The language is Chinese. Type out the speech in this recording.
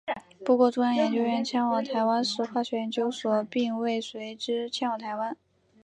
不过中央研究院迁往台湾时化学研究所并未随之迁往台湾。